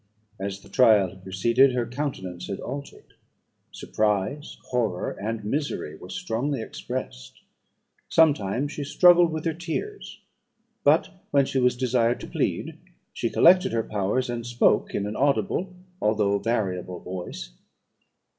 As the trial had proceeded, her countenance had altered. Surprise, horror, and misery were strongly expressed. Sometimes she struggled with her tears; but, when she was desired to plead, she collected her powers, and spoke, in an audible, although variable voice.